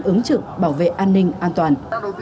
ứng trực bảo vệ an ninh an toàn